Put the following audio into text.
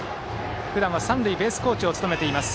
ふだんは三塁ベースコーチを務めています。